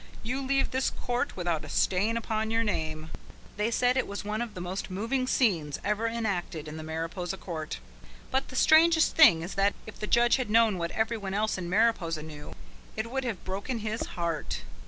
You leave this court without a stain upon your name." They said it was one of the most moving scenes ever enacted in the Mariposa Court. But the strangest thing is that if the judge had known what every one else in Mariposa knew, it would have broken his heart.